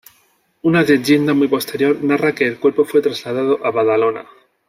Una leyenda muy posterior narra que el cuerpo fue trasladado a Badalona.